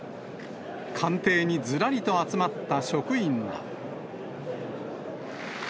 官邸にずらりと集まった職員ら。